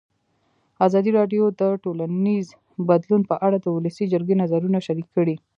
ازادي راډیو د ټولنیز بدلون په اړه د ولسي جرګې نظرونه شریک کړي.